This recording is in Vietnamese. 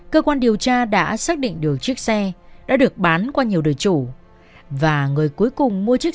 cơ quan điều tra đã xác định được chiếc xe đã được bán qua nhiều đời chủ và người cuối cùng mua chiếc